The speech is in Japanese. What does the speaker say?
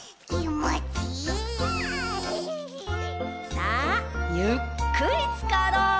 さあゆっくりつかろう！